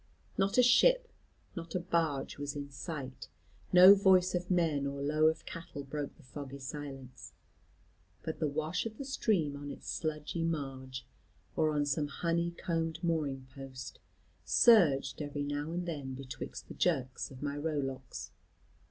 Not a ship, not a barge was in sight; no voice of men or low of cattle broke the foggy silence: but the wash of the stream on its sludgy marge, or on some honey combed mooring post, surged every now and then betwixt the jerks of my rowlocks.